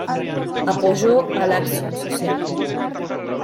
Apoyó a la acción social.